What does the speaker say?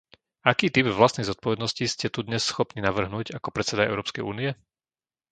Aký typ vlastnej zodpovednosti ste tu dnes schopný navrhnúť ako predseda Európskej únie?